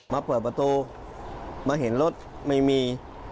มาเปิดประตูมาเห็นรถไม่มี